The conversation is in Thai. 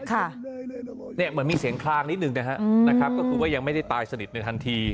ค่ะเนี่ยเหมือนมีเสียงคลางนิดหนึ่งนะฮะนะครับก็คือว่ายังไม่ได้ตายสนิทในทันที